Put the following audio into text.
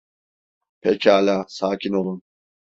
Pekala, sakin olun.